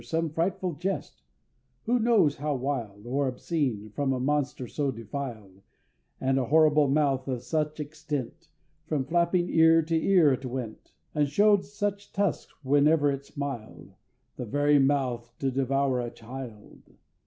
Some frightful jest who knows how wild, Or obscene, from a monster so defiled, And a horrible mouth, of such extent, From flapping ear to ear it went, And show'd such tusks whenever it smiled The very mouth to devour a child!